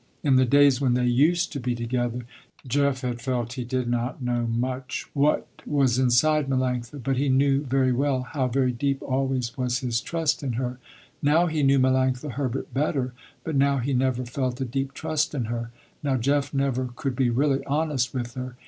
In the days when they used to be together, Jeff had felt he did not know much what was inside Melanctha, but he knew very well, how very deep always was his trust in her; now he knew Melanctha Herbert better, but now he never felt a deep trust in her. Now Jeff never could be really honest with her.